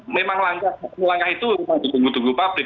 memang langkah itu cuma di tunggu tunggu publik